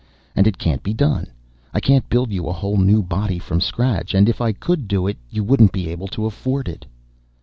And it can't be done. I can't build you a whole new body from scratch, and if I could do it you wouldn't be able to afford it."